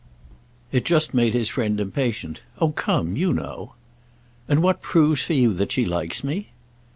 It just made his friend impatient. "Oh come, you know!" "And what proves for you that she likes me?"